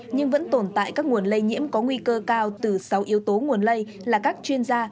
nhưng vẫn tồn tại các nguồn lây nhiễm có nguy cơ cao từ sáu yếu tố nguồn lây là các chuyên gia